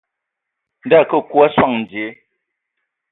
Ndɔ a akə kwi a sɔŋ dzie.